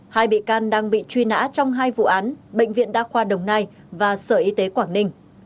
hai bị can đang bị truy nã trong hai vụ án bệnh viện đa khoa đồng nai và sở y tế quảng ninh